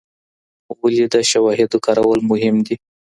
ولي د شواهدو کارول مهم دي؟